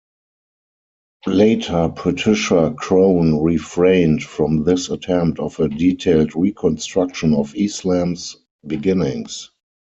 Later, Patricia Crone refrained from this attempt of a detailed reconstruction of Islam's beginnings.